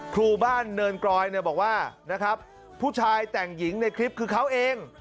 ครูบ้านเนินกรอยบอกว่าผู้ชายแต่งหญิงในคลิปคือเขาเอง